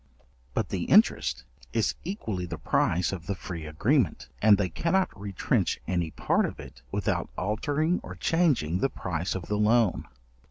But the interest is equally the price of the free agreement, and they cannot retrench any part of it without altering or changing the price of the loan.